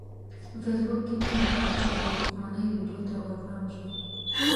په فیسبوک کې مې د کابل یوې پخوانۍ ویډیو ته ورپام شو.